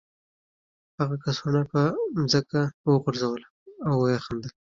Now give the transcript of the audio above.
هغه کڅوړه په ځمکه وغورځوله او ویې خندل